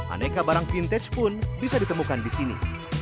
aneka barang vintage pun bisa ditemukan di sini